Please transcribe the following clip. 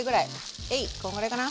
えいっこんぐらいかな？